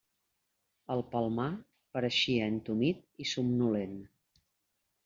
El Palmar pareixia entumit i somnolent.